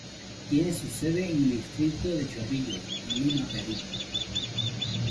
Tiene su sede en el distrito de Chorrillos en Lima, Perú.